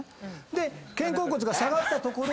肩甲骨が下がったところに。